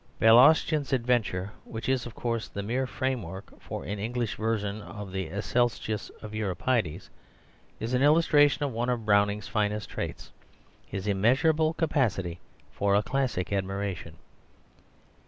Balaustion's Adventure, which is, of course, the mere framework for an English version of the Alcestis of Euripides, is an illustration of one of Browning's finest traits, his immeasurable capacity for a classic admiration.